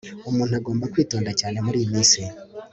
Umuntu agomba kwitonda cyane muriyi minsi